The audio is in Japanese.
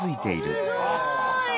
すごい。